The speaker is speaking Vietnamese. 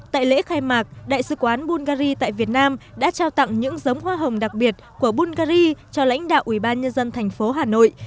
tại lễ khai mạc đại sứ quán bungary tại việt nam đã trao tặng những giống hoa hồng đặc biệt của bungary cho lãnh đạo ủy ban nhân dân thành phố hà nội